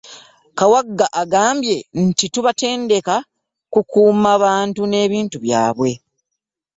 Kawagga agambye nti,’’Tubatendeka kukuuma bantu n’ebintu byabwe.”